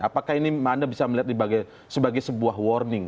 apakah ini anda bisa melihat sebagai sebuah warning